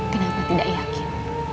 kenapa tidak yakin